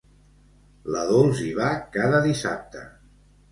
La Dols hi va cada dissabte.